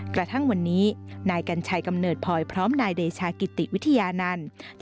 กระทั่งวันนี้นายกัญชัยกำเนิดพลอยพร้อมนายเดชากิติวิทยานันต์